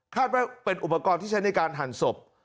ว่าเป็นอุปกรณ์ที่ใช้ในการหั่นศพ